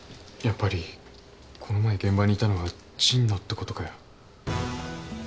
やっぱりこの前現場にいたのは神野ってことかよ。